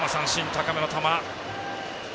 高めの球。